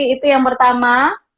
itu yang pertama